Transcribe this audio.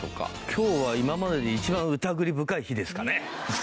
今日は今までで一番疑り深い日ですかね。